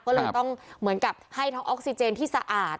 ก็เลยต้องเหมือนกับให้ทั้งออกซิเจนที่สะอาด